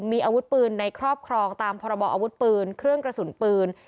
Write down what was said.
มีอาวุธปืนในครอบครองตามพรบออาวุธปืนเครื่องกระสุนปืน